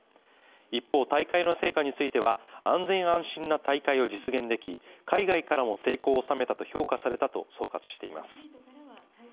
一方、大会の成果については、安全安心な大会を実現でき海外からも成功を収めたと評価されたと総括しています。